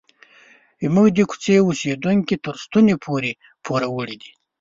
زموږ د کوڅې اوسیدونکي تر ستوني پورې پوروړي دي.